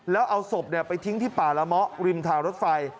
แล้วเอาศพไปทิ้งที่ป่าละเมาะริมทางรถไฟ